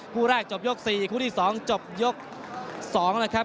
คู่แรกจบยก๔คู่ที่๒จบยก๒นะครับ